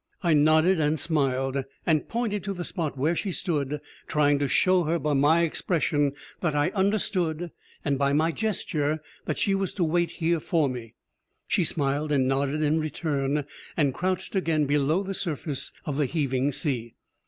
I nodded and smiled, and pointed to the spot where she stood, trying to show her by my expression that I understood, and by my gesture, that she was to wait here for me. She smiled and nodded in return, and crouched again below the surface of the heaving sea.